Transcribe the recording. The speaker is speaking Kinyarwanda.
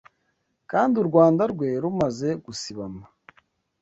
kandi u Rwanda rwe rumaze gusibama